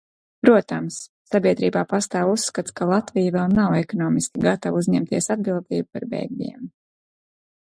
Protams, sabiedrībā pastāv uzskats, ka Latvija vēl nav ekonomiski gatava uzņemties atbildību par bēgļiem.